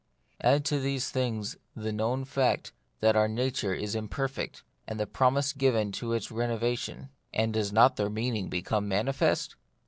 Add to these things the known fact that our nature is imperfect, and the pro mise given of its renovation, and does not their meaning become manifest